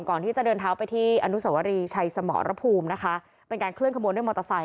ก่อนที่จะเดินเท้าไปที่อนุสวรีชัยสมรภูมินะคะเป็นการเคลื่อขบวนด้วยมอเตอร์ไซค